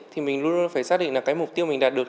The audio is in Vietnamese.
thì mình luôn luôn phải xác định là cái mục tiêu mình đạt được